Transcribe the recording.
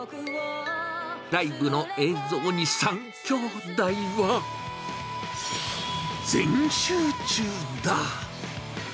ライブの映像に３きょうだいは、全集中だ。